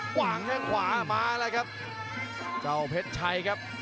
วางแข้งขวามาแล้วครับเจ้าเพชรชัยครับ